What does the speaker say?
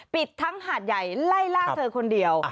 ปิดทั้งหาดใหญ่ไล่ล่าเธอคนเดียว